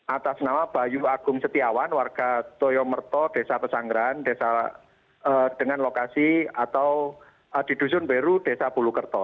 atas nama bayu agung setiawan warga toyomerto desa pesanggeran dengan lokasi atau di dusun beru desa bulukerto